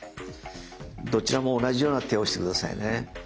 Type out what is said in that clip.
どちらも同じような手をして下さいね。